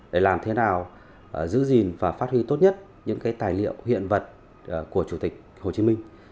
để làm thế nào giữ gìn và phát huy tốt nhất những tài liệu hiện vật của chủ tịch hồ chí minh